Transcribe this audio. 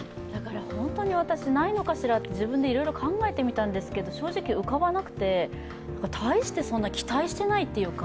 ホントに私、ないのかしらと自分でいろいろ考えてみたんですが、正直、浮かばなくて、大してそんな期待していないというか。